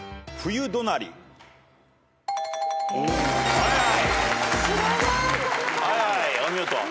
はいはいお見事。